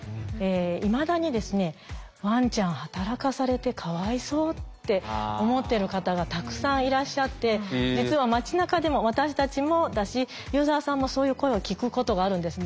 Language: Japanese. いまだにワンちゃん働かされてかわいそうって思ってる方がたくさんいらっしゃって実は街なかでも私たちもだしユーザーさんもそういう声を聞くことがあるんですね。